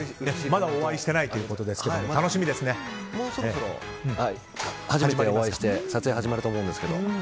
まだお会いしてないということですけどもうそろそろ初めてお会いして撮影始まると思うんですけど。